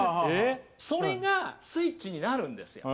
それがスイッチになるんですよ。